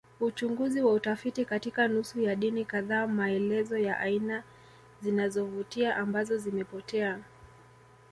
Uchunguzi wa utafiti katika nusu ya dini kadhaa maelezo ya aina zinazovutia ambazo zimepotea